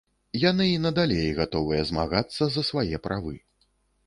Яны і надалей гатовыя змагацца за свае правы.